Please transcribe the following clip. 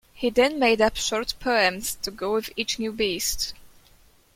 He then made up short poems to go with each new beast.